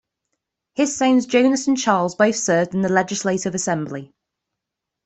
His sons Jonas and Charles both served in the legislative assembly.